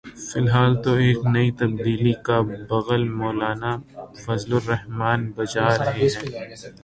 فی الحال تو ایک نئی تبدیلی کا بگل مولانا فضل الرحمان بجا رہے ہیں۔